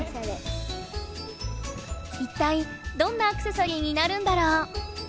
一体どんなアクセサリーになるんだろう？